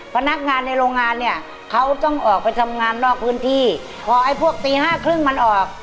พนักงานในโรงงานเนี่ยเขาต้องออกไปทำงานนอกพื้นที่พอไอ้พวกตีห้าครึ่งมันออก